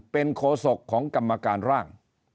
เป็นโคศกของกรรมการร่าง